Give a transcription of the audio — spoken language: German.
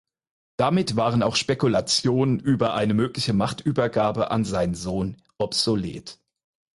Damit waren auch Spekulationen über eine mögliche Machtübergabe an seinen Sohn obsolet.